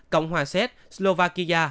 cộng hòa xét slovakia